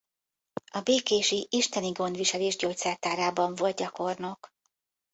A békési Isteni Gondviselés gyógyszertárában volt gyakornok.